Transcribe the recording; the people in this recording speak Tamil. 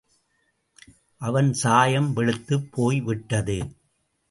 அவன் சாயம் வெளுத்துப் போய்விட்டது.